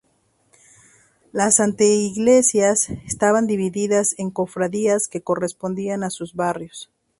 Las anteiglesias estaban divididas en cofradías que correspondían a sus barrios.